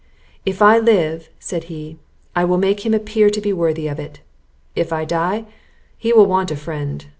"If I live," said he, "I will make him appear to be worthy of it; if I die, he will want a friend.